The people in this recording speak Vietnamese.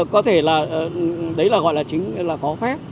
có thể là đấy là gọi là chính là có phép